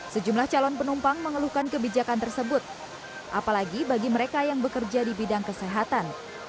sejumlah calon penumpang mengeluhkan kebijakan tersebut apalagi bagi mereka yang bekerja di bidang kesehatan